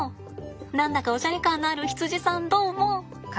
何だかおしゃれ感のある羊さんどうも。